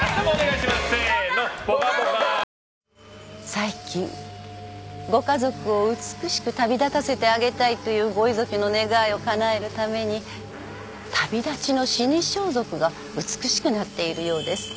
最近ご家族を美しく旅立たせてあげたいというご遺族の願いをかなえるために旅立ちの死に装束が美しくなっているようです。